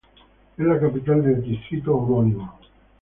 Es la capital del distrito homónimo.